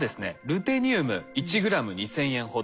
ルテニウム１ｇ２，０００円ほど。